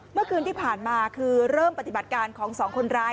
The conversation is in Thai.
เมื่อคืนที่ผ่านมาคือเริ่มปฏิบัติการของสองคนร้าย